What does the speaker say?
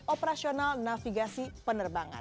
operasional navigasi penerbangan